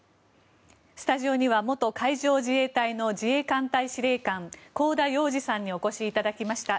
スタジオには元海上自衛隊の自衛艦隊司令官香田洋二さんにお越しいただきました。